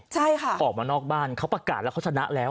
ใช่ค่ะออกมานอกบ้านเขาประกาศแล้วเขาชนะแล้ว